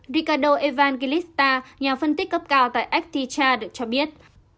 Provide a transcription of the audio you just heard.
ricardo evangelista nhà phân tích cấp cao tại acticha được cho biết